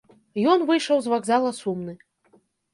Ён выйшаў з вакзала сумны.